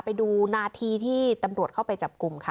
ไปดูนาทีที่ตำรวจเข้าไปจับกลุ่มค่ะ